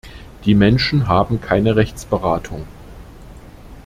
Die Menschen haben keine Rechtsberatung.